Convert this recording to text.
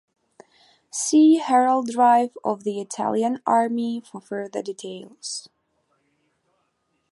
See Heraldry of the Italian Army for further details.